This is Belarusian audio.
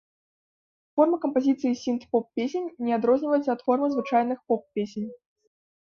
Форма кампазіцыі сінт-поп песень не адрозніваецца ад формы звычайных поп-песень.